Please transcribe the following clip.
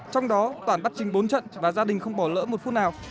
trong đó toản bắt chính bốn trận và gia đình không bỏ lỡ một phút nào